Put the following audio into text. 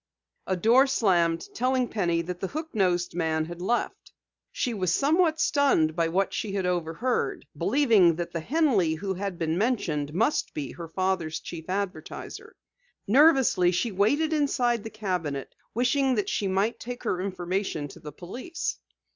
A door slammed, telling Penny that the hook nosed man had left. She was somewhat stunned by what she had overheard, believing that the Henley who had been mentioned must be her father's chief advertiser. Nervously she waited inside the cabinet, wishing that she might take her information to the police.